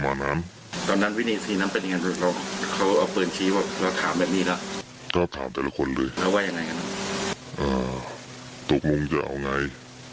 อ่าตกลงจะเอาไง